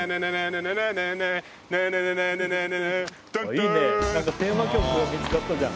いいねテーマ曲も見つかったじゃん。